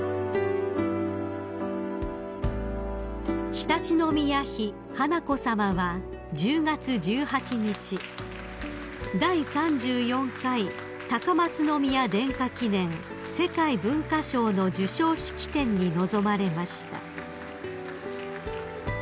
［常陸宮妃華子さまは１０月１８日第３４回高松宮殿下記念世界文化賞の授賞式典に臨まれました］